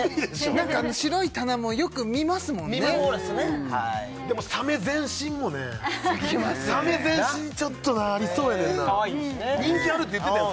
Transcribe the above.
何かあの白い棚もよく見ますもんねでもサメ全身もねサメ全身ちょっとなありそうやねんなかわいいしね人気あるって言ってたよ